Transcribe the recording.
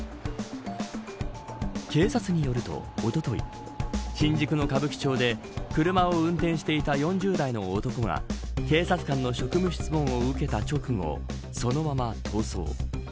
警察によると、おととい新宿の歌舞伎町で車を運転していた４０代の男が警察の職務質問を受けた直後そのまま逃走。